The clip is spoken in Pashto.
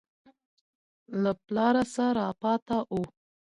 له پلاره څه راپاته وو.